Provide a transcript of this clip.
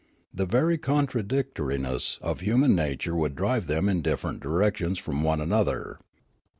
The very contradictoriness of human nature would drive them in different directions from one another.